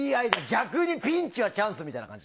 逆にピンチはチャンスみたいな感じ。